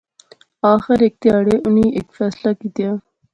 آخر ہیک تہاڑے انی ہیک فیصلہ کیتیا